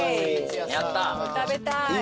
食べたい。